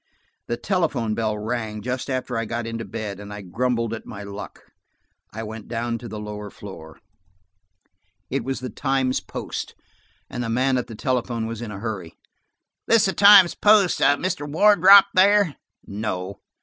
The telephone bell rang just after I got into bed, and grumbling at my luck, I went down to the lower floor. It was the Times Post, and the man at the telephone was in a hurry. "This is the Times Post. Is Mr. Wardrop there?" "No."